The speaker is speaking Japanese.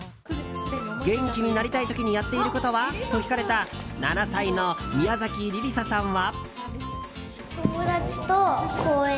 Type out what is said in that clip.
元気になりたい時にやっていることは？と聞かれた７歳の宮崎莉里沙さんは。